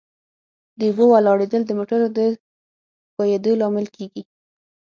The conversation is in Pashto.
د اوبو ولاړېدل د موټرو د ښوئیدو لامل کیږي